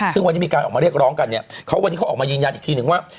ซึ่งวันนี้มีการออกมาเรียกร้องกันเนี่ยเขาวันนี้เขาออกมายืนยันอีกทีนึงว่า